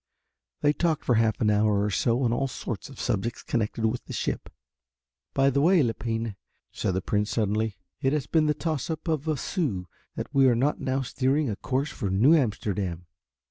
They talked for half an hour or so on all sorts of subjects connected with the ship. "By the way, Lepine," said the Prince suddenly, "It has been the toss up of a sou that we are not now steering a course for New Amsterdam."